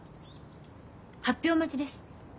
発表待ちです。